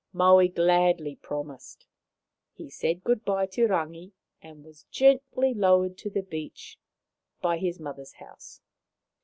Maui gladly promised. He said good bye to Rangi and was gently lowered to the beach by his mother's house.